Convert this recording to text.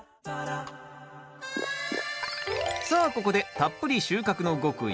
さあここでたっぷり収穫の極意